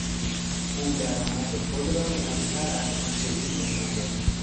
او در آمد خود را کمتر از آنچه بود نشان داد.